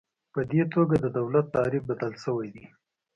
په دې توګه د دولت تعریف بدل شوی دی.